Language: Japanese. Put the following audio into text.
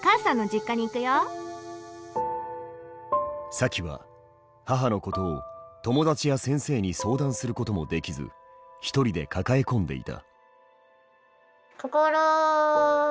サキは母のことを友達や先生に相談することもできず一人で抱え込んでいた。